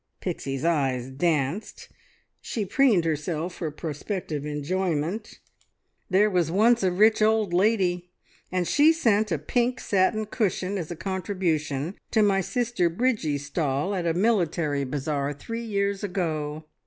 Pixie's eyes danced, she preened herself for prospective enjoyment. "There was once a rich old lady, and she sent a pink satin cushion as a contribution to my sister Bridgie's stall at a military bazaar three years ago.